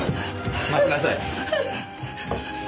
待ちなさい。